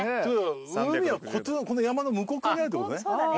海はこっちのこの山の向こう側にあるってことね。